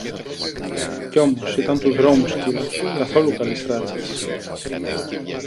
Και όμως ήταν του δρόμου σκύλος, καθόλου καλής ράτσας